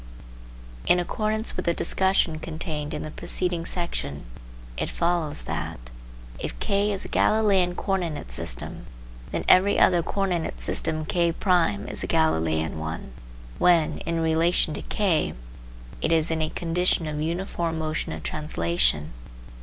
In accordance with the discussion contained in the preceding section, it follows that: If K is a Galileian co ordinate system. then every other co ordinate system K' is a Galileian one, when, in relation to K, it is in a condition of uniform motion of translation.